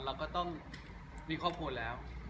เราก็ต้องมีครอบครัวแล้ว